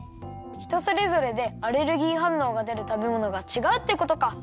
ひとそれぞれでアレルギーはんのうがでるたべものがちがうってことか。